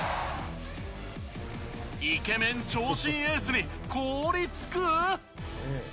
イケメン長身エースに凍りつく？